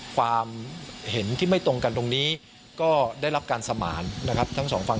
ความเห็นที่ไม่ตรงกันตรงนี้ก็ได้รับการสมานนะครับทั้งสองฝั่ง